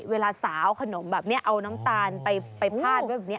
เวลาสาวขนมแบบนี้เอาน้ำตาลไปพาดด้วยแบบนี้